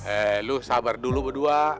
eh lu sabar dulu berdua